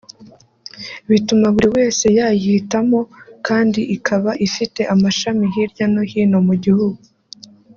bituma buri wese yayihitamo kandi ikaba ifite amashami hirya no hino mu gihugu